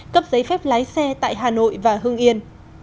cấp giấy phép lái xe tại hà nội và hương yên